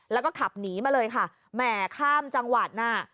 แล้วก็ขับหนีมาเลยค่ะแหมข้ามจังหวัดน่ะ